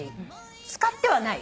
使ってはない？